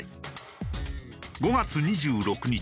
５月２６日。